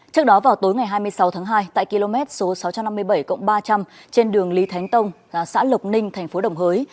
trước đó vào tối ngày hai mươi sáu tháng hai tại km số sáu trăm năm mươi bảy ba trăm linh trên đường lý thánh tông xã lộc ninh thành phố đồng hới